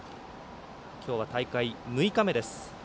きょうは大会６日目です。